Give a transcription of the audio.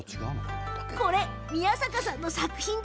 こちら宮坂さんの作品。